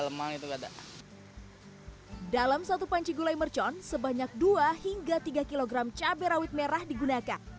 lemang itu pada dalam satu panci gulai mercon sebanyak dua hingga tiga kg cabai rawit merah digunakan